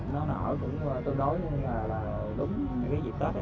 nó nở cũng tương đối với cái dịp tết